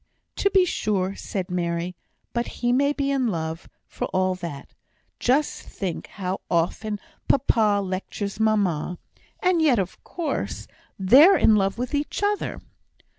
"To be sure," said Mary; "but he may be in love, for all that. Just think how often papa lectures mamma; and yet, of course, they're in love with each other."